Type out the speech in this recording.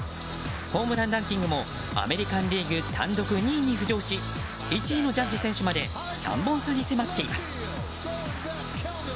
ホームランランキングもアメリカン・リーグ単独２位に浮上し１位のジャッジ選手まで３本差に迫っています。